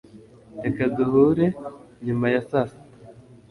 Reka duhure nyuma ya saa sita